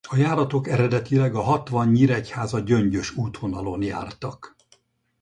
A járatok eredetileg a Hatvan–Nyíregyháza–Gyöngyös útvonalon jártak.